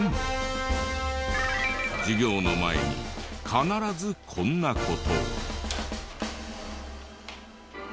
授業の前に必ずこんな事を。